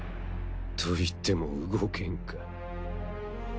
と言っても動けんか。